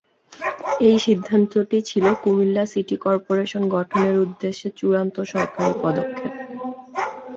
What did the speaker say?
এই সিদ্ধান্তটি ছিল কুমিল্লা সিটি কর্পোরেশন গঠনের উদ্দেশ্যে চূড়ান্ত সরকারি পদক্ষেপ।